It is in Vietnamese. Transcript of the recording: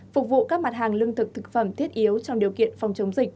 phục vụ các mặt hàng lương thực thực phẩm thiết yếu trong điều kiện phòng chống dịch